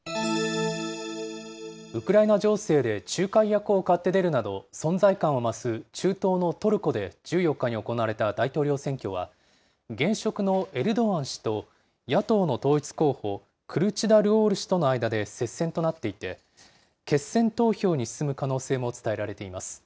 ウクライナ情勢で仲介役を買って出るなど、存在感を増す中東のトルコで１４日に行われた大統領選挙は、現職のエルドアン氏と野党の統一候補、クルチダルオール氏との間で接戦となっていて、決選投票に進む可能性も伝えられています。